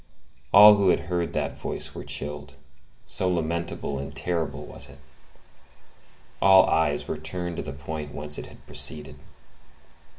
All who heard that voice were chilled, so lamentable and terrible was it; all eyes were turned to the point whence it had proceeded.